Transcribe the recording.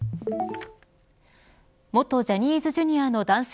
元ジャニーズＪｒ．の男性